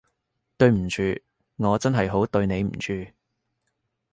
對唔住，我真係好對你唔住